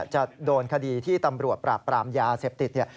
จะโดนคดีที่ตำรวจปราบปรามยาเสพติด